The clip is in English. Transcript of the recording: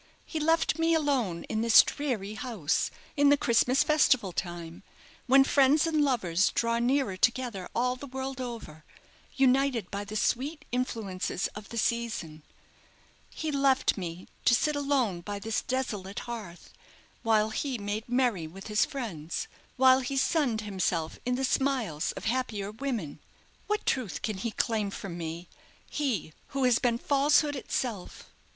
He left me alone in this dreary house; in the Christmas festival time, when friends and lovers draw nearer together all the world over, united by the sweet influences of the season; he left me to sit alone by this desolate hearth, while he made merry with his friends while he sunned himself in the smiles of happier women. What truth can he claim from me he who has been falsehood itself?"